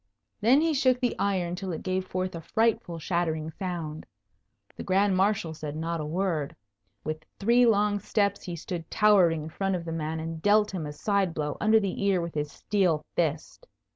Then he shook the iron till it gave forth a frightful shattering sound. The Grand Marshal said not a word. With three long steps he stood towering in front of the man and dealt him a side blow under the ear with his steel fist.